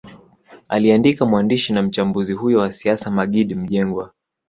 Aliandika mwandishi na mchambuzi huyo wa siasa Maggid Mjengwa